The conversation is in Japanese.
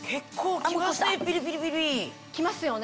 きますよね？